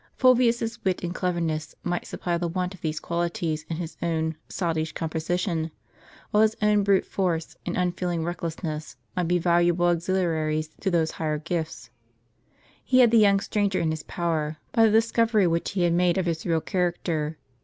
Fulvius's wit and cleverness might supply the want of these qualities in his own sottish composition, while his own brute force, and unfeeling recklessness, might be valuable auxiliaries to those higher gifts. He had the young stranger in his power, by the discovery which he had made of his real character.